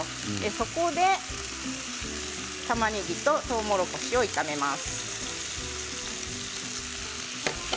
そこで、たまねぎととうもろこしを炒めます。